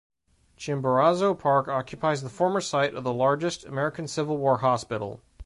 Chimborazo Park occupies the former site of the largest American Civil War Hospital.